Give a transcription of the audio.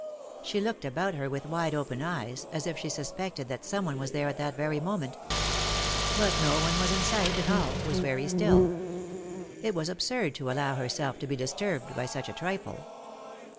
She looked about her with wide open eyes, as if she suspected that that someone was there at that very moment But no one was in sight and all was very still. It was absurd to allow herself to be disturbed by such a trifle.